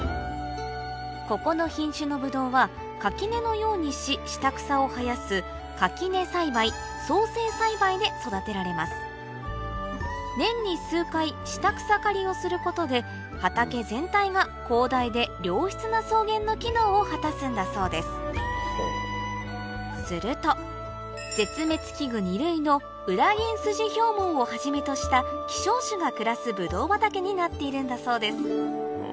ここの品種のブドウは垣根のようにし下草を生やすで育てられます年に数回下草刈りをすることで畑全体が広大で良質な草原の機能を果たすんだそうですするとをはじめとした希少種が暮らすブドウ畑になっているんだそうです